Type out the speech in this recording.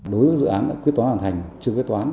đối với dự án quyết toán hoàn thành chưa quyết toán